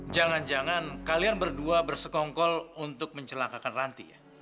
jangan jangan kalian berdua bersekongkol untuk mencelakakan ranti ya